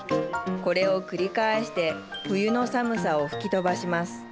これを繰り返して冬の寒さを吹き飛ばします。